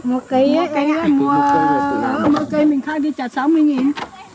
mua cây đấy mua cây mình khác đi trả sáu mươi nghìn